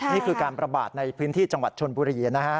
นี่คือการประบาดในพื้นที่จังหวัดชนบุรีนะฮะ